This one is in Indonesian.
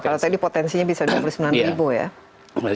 kalau tadi potensinya bisa dua puluh sembilan ribu ya